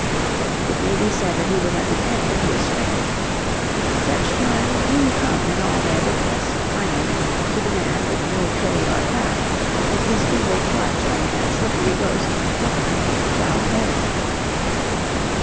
It may be said that he was at the end of his string. Such times do come in all their bitterness, finally, to the man with no trade or craft, if his feeble clutch on that slippery ghost, Property, shall fail.